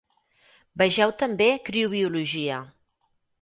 Vegeu també Criobiologia.